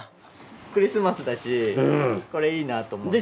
クリスマスだしこれいいなと思って。